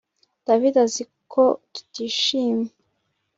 David azi ko tutishimye